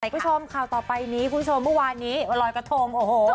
คุณผู้ชมค่าวต่อไปคุณผู้ชมมีวานนี้ลอยกะโถม